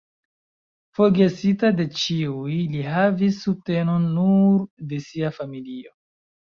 Forgesita de ĉiuj, li havis subtenon nur de sia familio.